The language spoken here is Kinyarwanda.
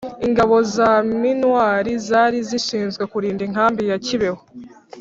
ingabo za minuar zari zishinzwe kurinda inkambi ya kibeho